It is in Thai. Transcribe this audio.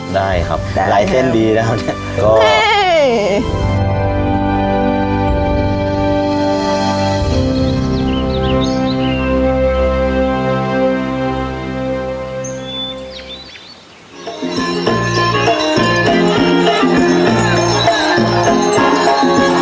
ได้ครับไล่เส้นดีแล้วนี่